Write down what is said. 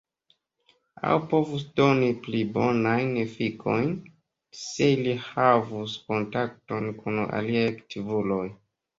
Aŭ povus doni pli bonajn efikojn, se ili havus kontakton kun aliaj aktivuloj.